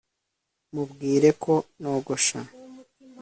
mubwire ko nogosha